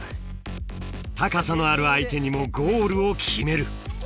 高さのある相手にもゴールを決める。